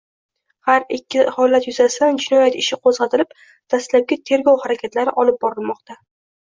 Har ikki holat yuzasidan jinoyat ishi qo‘zg‘atilib, dastlabki tergov harakatlari olib borilmoqda